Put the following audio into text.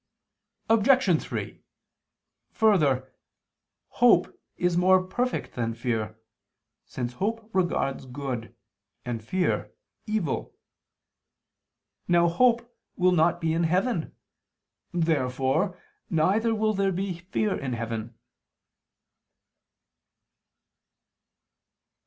Obj. 3: Further, hope is more perfect than fear, since hope regards good, and fear, evil. Now hope will not be in heaven. Therefore neither will there be fear in heaven.